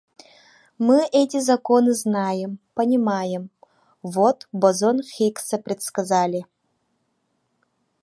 Мы эти законы знаем, понимаем, вот бозон Хиггса предсказали.